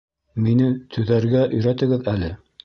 Мине төҙәргә өйрәтегеҙ әле